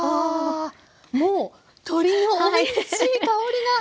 もう鶏のおいしい香りが漂ってます！